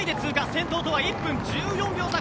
先頭とは１分１４秒差